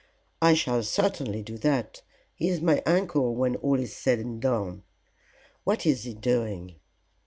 "I shall certainly do that. He is my uncle when all is said and done. What is he doing?"